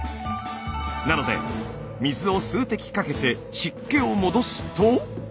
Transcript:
なので水を数滴かけて湿気を戻すと。